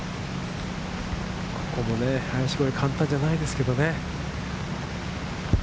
ここもね、林越え、簡単じゃないですけどね。